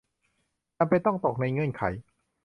จำเป็นต้องตกในเงื่อนไข